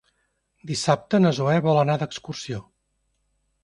Dissabte na Zoè vol anar d'excursió.